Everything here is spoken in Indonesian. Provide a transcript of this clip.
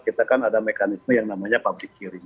jadi kan ada apa kita kan ada mekanisme yang namanya public hearing